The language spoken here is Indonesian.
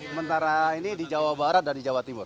sementara ini di jawa barat dan di jawa timur